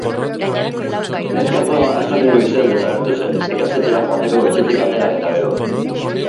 Neskatoa astelehen goizean desagertu zen, ikastetxera joateko etxetik atera eta gero.